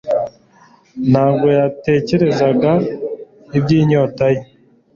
Ntabwo yatekerezaga iby'inyota ye,